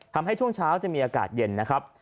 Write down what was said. ช่วงเช้าจะมีอากาศเย็นนะครับ